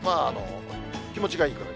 気持ちがいいくらい。